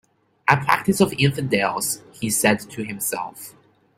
"A practice of infidels," he said to himself.